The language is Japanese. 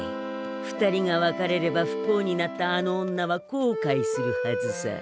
２人が別れれば不幸になったあの女はこうかいするはずさ。